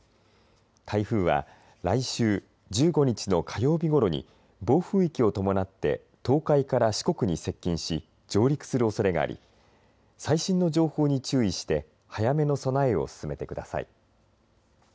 台風は、来週１５日の火曜日ごろに暴風域を伴って東海から四国に接近し上陸するおそれがあり最新の情報に注意して早めの備えを進めてください。